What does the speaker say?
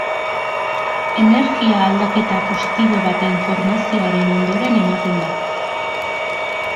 Energia aldaketa positibo baten formazioaren ondoren ematen da.